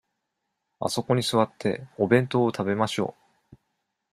あそこに座って、お弁当を食べましょう。